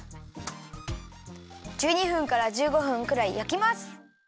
１２分から１５分くらいやきます。